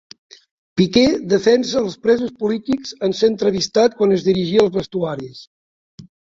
Piqué defensa els presos polítics en ser entrevistat quan es dirigia als vestuaris